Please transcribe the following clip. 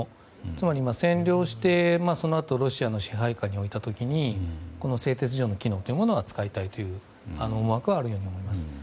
つまり、占領してそのあとロシアの支配下に置いた時に製鉄所の機能を使いたいという思惑があると思います。